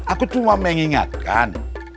aku cuma mengingatkan